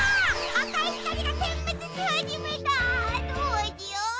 あかいひかりがてんめつしはじめた！どうしよっ！？